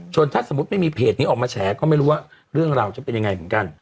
ถ้าสมมุติไม่มีเพจนี้ออกมาแฉก็ไม่รู้ว่าเรื่องราวจะเป็นยังไงเหมือนกัน